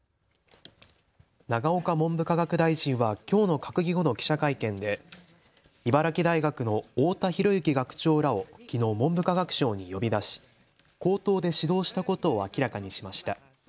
永岡文部科学大臣はきょうの閣議後の記者会見で茨城大学の太田寛行学長らをきのう文部科学省に呼び出し口頭で指導したことを明らかにしました。